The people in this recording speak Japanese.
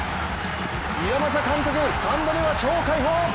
岩政監督、３度目は超解放！